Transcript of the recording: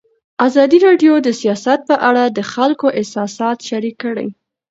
ازادي راډیو د سیاست په اړه د خلکو احساسات شریک کړي.